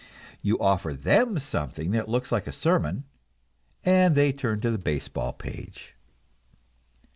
You offer them something that looks like a sermon, and they turn to the baseball page.